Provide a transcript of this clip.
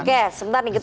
oke sebentar nih